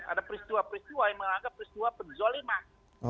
ada peristiwa peristiwa yang menganggap peristiwa penzoliman